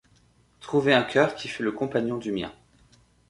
Trouver un coeur qui fût le compagnon du mien.